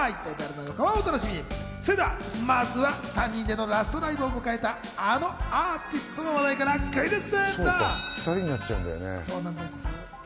それではまずは３人でのラストライブを迎えたあのアーティストの話題からクイズッス！